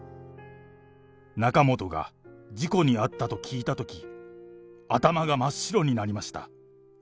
仲本が事故に遭ったと聞いたとき、頭が真っ白になりました。